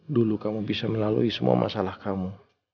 dulu kamu bisa melalui semua masalah kamu